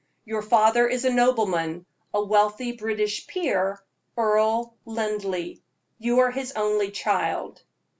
"Your father is a nobleman, a wealthy British peer Earl Linleigh and you are his only child."